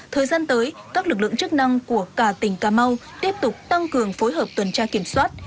thời gian tới các lực lượng chức năng của cả tỉnh cà mau tiếp tục tăng cường phối hợp tuần tra kiểm soát